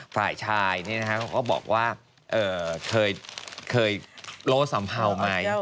ฝ่ายชายเขาก็บอกว่าเคยโล้สัมเภาไหม